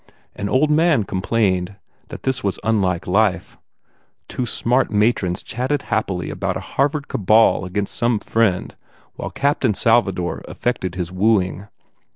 An old man complained that this was unlike life. Two smart matrons chatted happily about a Harvard cabal against some friend while "Captain Salvador" effected his wooing.